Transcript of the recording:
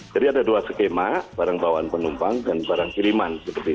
jadi ada dua skema barang bawaan penumpang dan barang kiriman